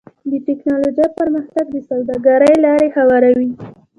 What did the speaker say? د ټکنالوجۍ پرمختګ د سوداګرۍ لاره هواروي.